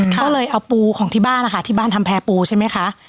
ก็เลยเอาปูของที่บ้านนะคะที่บ้านทำแพร่ปูใช่ไหมคะ